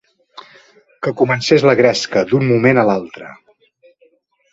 Que comencés la gresca, d'un moment a l'altre